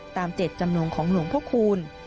เจตจำนงของหลวงพระคูณ